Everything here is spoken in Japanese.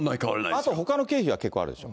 あとほかの経費が結構あるでしょ？